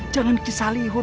jangan kisah lihun